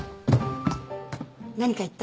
何か言った？